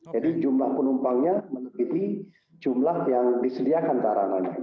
jadi jumlah penumpangnya melebihi jumlah yang disediakan sarananya